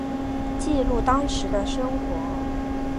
记录当时的生活